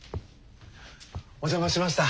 お邪魔しました。